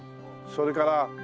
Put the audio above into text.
それから。